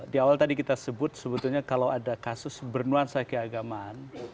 di awal tadi kita sebut sebetulnya kalau ada kasus bernuansa keagamaan